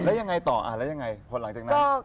แล้วยังไงต่อแล้วยังไงพอหลังจากนั้น